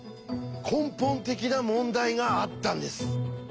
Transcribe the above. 根本的な問題があったんです。